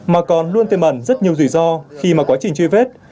mà còn luôn tiềm ẩn rất nhiều rủi ro khi mà quá trình truy vết